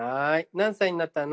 何歳になったの？」。